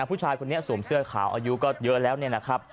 ผู้ชายคนนี้สวมเสื้อขาวอายุก็เยอะแล้วเนี่ยนะครับ